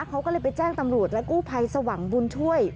เขาก็เลยไปแจ้งตำรวจและกู้ภัยสว่างบุญช่วย